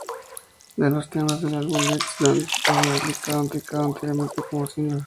De los temas del álbum, "Let's Dance" había sido publicado anteriormente como single.